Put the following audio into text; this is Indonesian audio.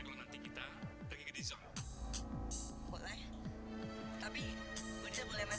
jadikan ruang kerja baru kita sendiri ya